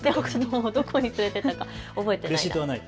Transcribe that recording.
どこに連れて行ったか覚えていないです。